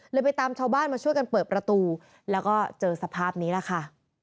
ไปตามชาวบ้านมาช่วยกันเปิดประตูแล้วก็เจอสภาพนี้แหละค่ะ